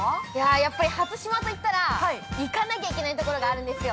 ◆やっぱり初島といったら行かなきゃいけないところがあるんですよ。